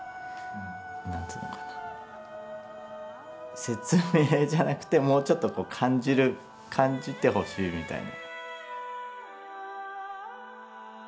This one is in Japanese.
何ていうのかな説明じゃなくてもうちょっと感じてほしいみたいな。